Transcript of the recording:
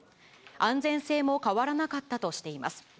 安全性も変わらなかったとしています。